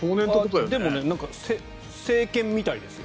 でも、成犬みたいですよ。